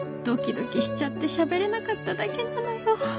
ドキドキしちゃってしゃべれなかっただけなのよ